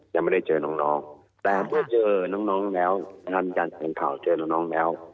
ยังไม่ได้เจอน้องแต่เมื่อเจอน้องแล้วงานการแถลงข่าวเจอน้องแล้ว